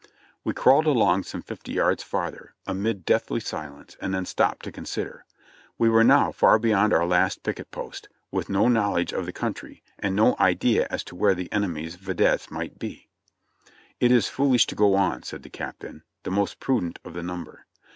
We crawled along some fifty yards farther, amid deathly silence, and then stopped to consider. We were now far beyond our last picket post, with no knowledge of the country, and no idea as to where the enemy's videttes might be. "It is foolish to go on," said the Captain, the most prudent of the number.